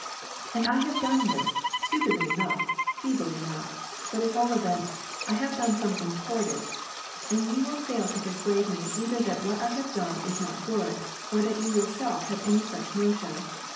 " And I have done this, stupidly enough, feebly enough, but at all events I have done something toward it, and j ou will fail to persuade me either that what I have done is not good, or that you yourself have any such notion.